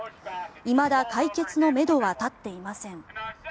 いまだ解決のめどは立っていません。